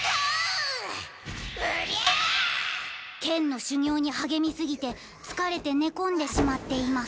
けんのしゅぎょうにはげみすぎてつかれてねこんでしまっています。